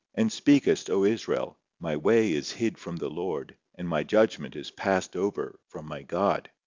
and speakest, O Israel! my way is hid from the Lord, and my judgment is passed over from my God?"